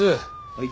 はい。